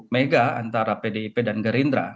mega antara pdip dan gerindra